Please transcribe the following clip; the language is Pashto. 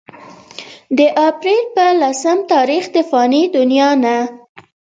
د اپريل پۀ لسم تاريخ د فاني دنيا نه